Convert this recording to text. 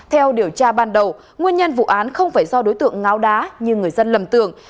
theo điều tra ban đầu nguyên nhân vụ án không phải do đối tượng ngáo đá nhưng người dân lầm tưởng